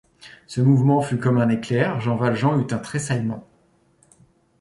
Ce mouvement fut comme un éclair, Jean Valjean eut un tressaillement.